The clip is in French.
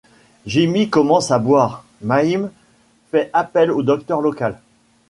Jimmy commence à boire, Mayme fait appel au docteur local.